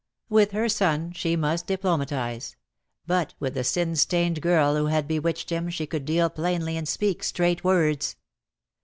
With her son she must diplomatise; but with the sin stained girl who had bewitched him she could deal plainly and speak straight words.